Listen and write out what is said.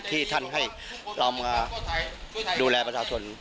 ที่ท่านให้เรามาดูแลประชาชน